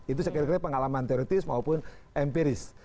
itu sekiranya pengalaman teoretis maupun empiris